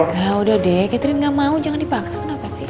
ah udah deh catherine gak mau jangan dipaksa kenapa sih